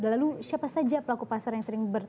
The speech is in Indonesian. lalu siapa saja pelaku pasar yang sering bertemu